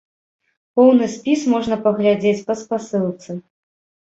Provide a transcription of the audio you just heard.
Поўны спіс можна паглядзець па спасылцы.